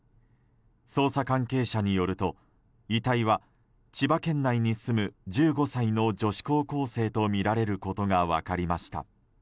捜査関係者によると遺体は千葉県内に住む１５歳の女子高校生とみられることが分かりました。